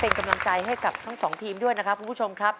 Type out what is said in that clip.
เป็นกำลังใจให้กับทั้งสองทีมด้วยนะครับคุณผู้ชมครับ